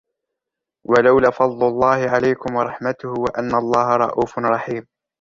وَلَوْلَا فَضْلُ اللَّهِ عَلَيْكُمْ وَرَحْمَتُهُ وَأَنَّ اللَّهَ رَءُوفٌ رَحِيمٌ